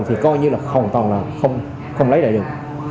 thì coi như là hoàn toàn là không lấy lại được